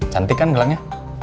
cantik kan gelangnya